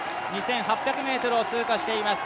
２８００ｍを通過しています。